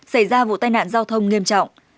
xảy ra vụ tai nạn giao thông nghiêm trọng